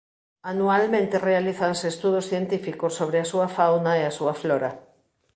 Anualmente realízanse estudos científicos sobre a súa fauna e a súa flora.